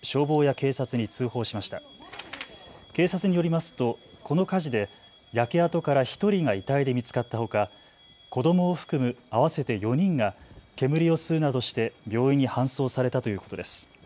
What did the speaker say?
警察によりますと、この火事で焼け跡から１人が遺体で見つかったほか、子どもを含む合わせて４人が煙を吸うなどして病院に搬送されたということです。